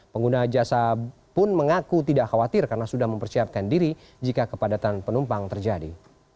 pengguna jasa pun mengaku tidak khawatir karena sudah mempersiapkan diri jika kepadatan penumpang terjadi